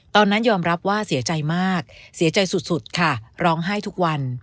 ตอนนั้นยอมรับว่าเสียใจมากเสียใจสุดค่ะร้องไห้ทุกวัน